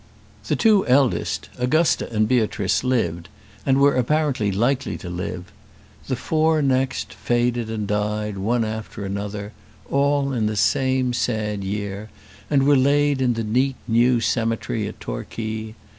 The two eldest, Augusta and Beatrice, lived, and were apparently likely to live. The four next faded and died one after another all in the same sad year and were laid in the neat, new cemetery at Torquay.